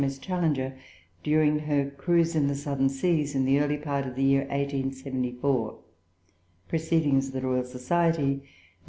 M.S. Challenger during her cruise in the Southern Seas, in the early part of the year 1874." Proceedings of the Royal Society, Nov.